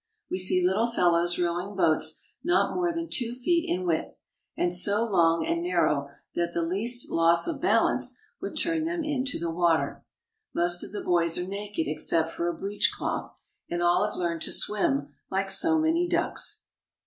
We see little fellows rowing boats not more than two feet in width, and so long and narrow that the least loss of balance would turn them into the water. Most of the boys are naked except for a breech cloth, and all have learned to swim like so many ducks.